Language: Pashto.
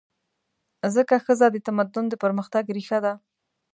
ځکه ښځه د تمدن د پرمختګ ریښه ده.